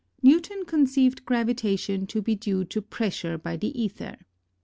Newton conceived gravitation to be due to pressure by the aether.